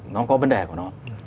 nó có vấn đề của nó